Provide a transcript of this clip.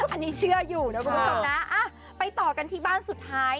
อันนี้เชื่ออยู่นะคุณผู้ชมนะไปต่อกันที่บ้านสุดท้าย